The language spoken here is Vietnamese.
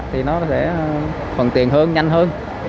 thì nó sẽ phần tiền hơn nhanh hơn